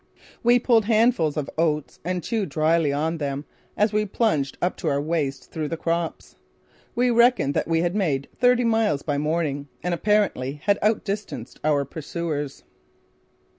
We pulled handfuls of oats and chewed dryly on them as we plunged up to our waists through the crops. We reckoned that we had made thirty miles by morning and apparently had outdistanced our pursuers.